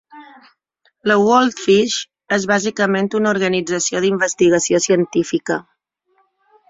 La WorldFish és bàsicament una organització d'investigació científica.